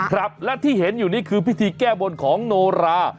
ครับและที่เห็นอยู่นี่คือพิธีแก้บนของโนรา